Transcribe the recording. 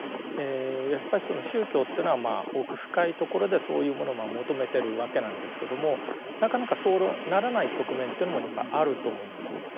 やっぱりその宗教というのは奥深いところでそういうものを求めてるわけなんですけどもなかなかそうならない局面というのもやっぱりあると思うんです。